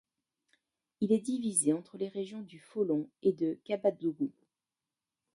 Il est divisé entre les régions du Folon et de Kabadougou.